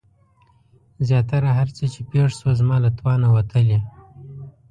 زياته هر څه چې پېښه شوه زما له توانه وتلې.